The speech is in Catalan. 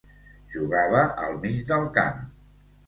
Jugava al mig del camp.